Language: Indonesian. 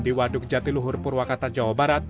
di waduk jatiluhur purwakarta jawa barat